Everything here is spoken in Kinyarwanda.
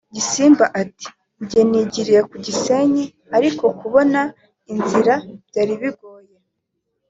Gisimba ati “Njye nigiriye ku Gisenyi ariko kubona inzira byari bikomeye